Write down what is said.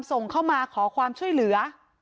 ส่งเข้ามาขอความช่วยเหลือ